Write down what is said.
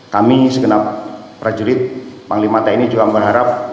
kami segenap prajurit panglima tni juga berharap